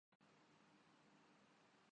میں بھی ٹھیک۔ اور کیا کر رہے ہیں؟